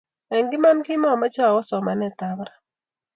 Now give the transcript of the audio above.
eng Iman kimameche awa somanetab barak